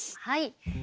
はい。